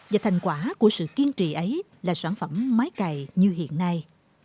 và thành quả của sự kiên trì ấy là sản phẩm máy cày như hiện nay